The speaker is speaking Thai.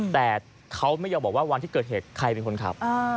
แต่เขาไม่ยอมบอกว่าวันที่เกิดเหตุใครเป็นคนขับ